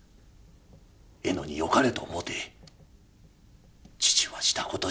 可愛によかれと思うて父はしたことじゃ。